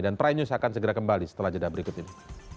dan prime news akan segera kembali setelah jeda berikut ini